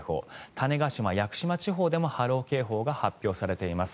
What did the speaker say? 種子島、屋久島地方でも波浪警報が発表されています。